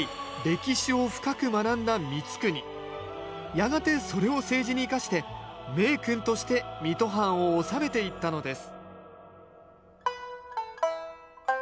やがてそれを政治に生かして名君として水戸藩を治めていったのです